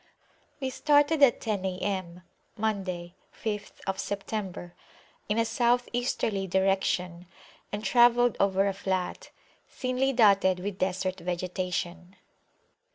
We started at ten A.M. (Monday, 5th September) in a South Easterly direction, and travelled over a flat, thinly dotted with Desert vegetation.